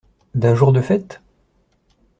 D’un jour de fête ?